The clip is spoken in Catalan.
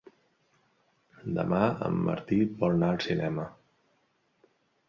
Demà en Martí vol anar al cinema.